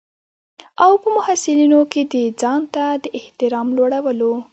او په محصلینو کې د ځانته د احترام لوړولو.